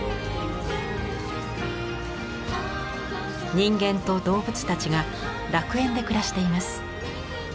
人間と動物たちが楽園で暮らしています。